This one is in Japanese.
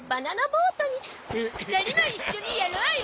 ２人も一緒にやろうよ！